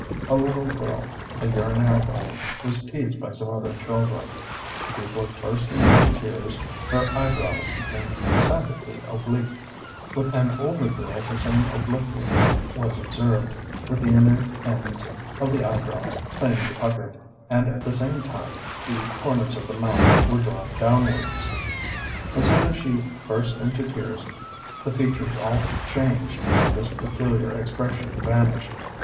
A little girl, a year and a half old, was teased by some other children, and before bursting into tears her eyebrows became decidedly oblique. With an older girl the same obliquity was observed, with the inner ends of the eyebrows plainly puckered; and at the same time the corners of the mouth were drawn downwards. As soon as she burst into tears, the features all changed and this peculiar expression vanished.